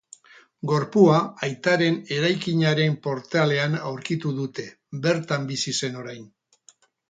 Gorpua aitaren eraikinaren portalean aurkitu dute, bertan bizi zen orain.